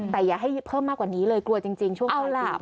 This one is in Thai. แต่อย่าให้เพิ่มมากกว่านี้เลยกลัวจริงช่วงต้นหลาบ